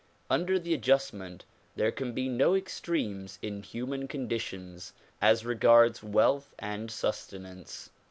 Under this adjustment there can be no extremes in human conditions as regards wealth and sustenance.